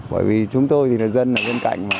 bởi vì chúng tôi thì là dân ở bên cạnh